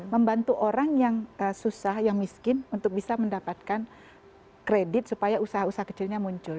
membantu orang yang susah yang miskin untuk bisa mendapatkan kredit supaya usaha usaha kecilnya muncul